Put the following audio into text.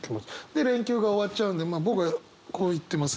で連休が終わっちゃうんでまあ僕はこう言ってますね。